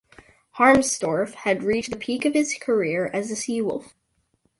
Harmstorf had reached the peak of his career as a sea wolf.